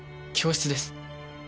教室です。